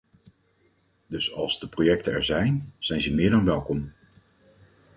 Dus als de projecten er zijn, zijn ze meer dan welkom.